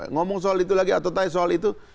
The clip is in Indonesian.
ngomong soal itu lagi atau tanya soal itu